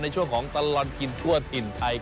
ในช่วงของตลอดกินทั่วถิ่นไทย